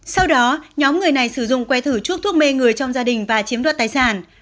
sau đó nhóm người này sử dụng que thử trước thuốc mê người trong gia đình và chiếm đoạt tài sản